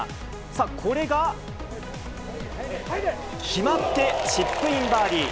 さあ、これが決まって、チップインバーディー。